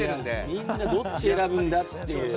みんなどっち選ぶんだっていう。